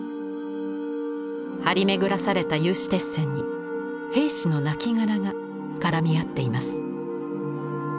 張り巡らされた有刺鉄線に兵士のなきがらが絡み合っています。